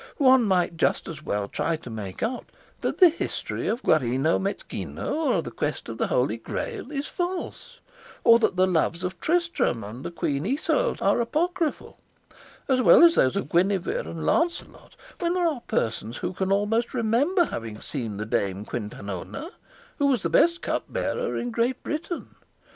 One might just as well try to make out that the history of Guarino Mezquino, or of the quest of the Holy Grail, is false, or that the loves of Tristram and the Queen Yseult are apocryphal, as well as those of Guinevere and Lancelot, when there are persons who can almost remember having seen the Dame Quintanona, who was the best cupbearer in Great Britain.